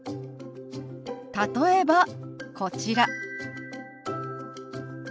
例えばこちら。